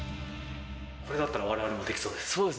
これだったらわれわれもできそうです。